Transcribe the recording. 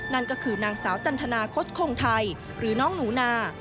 นั่นก็คือนางสาวจันทนาคตคงไทยหรือน้องหนูนา